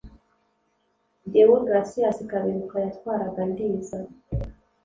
Deogratias Kaberuka yatwaraga Ndiza